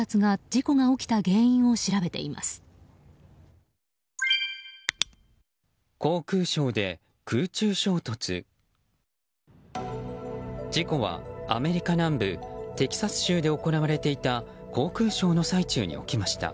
事故はアメリカ南部テキサス州で行われていた航空ショーの最中に起きました。